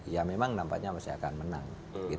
ya memang nampaknya masih akan menang